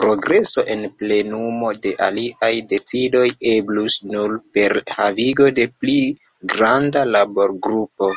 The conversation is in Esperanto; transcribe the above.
Progreso en plenumo de aliaj decidoj eblus nur per havigo de pli granda laborgrupo.